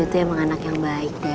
rido tuh emang anak yang baik deo